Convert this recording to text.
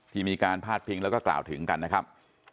มีการพาดพิงแล้วก็กล่าวถึงกันนะครับ